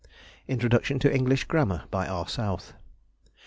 Introduction to English Grammar, by R. South.